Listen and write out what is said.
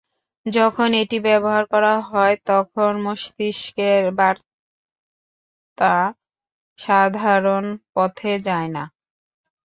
যখন এটি ব্যবহার করা হয়, তখন মস্তিষ্কের বার্তা সাধারণ পথে যায় না।